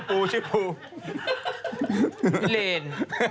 พี่เล่น